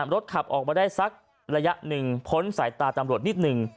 รถขับออกมาได้สักระยะหนึ่งพ้นสายตาตำรวจนิดนึง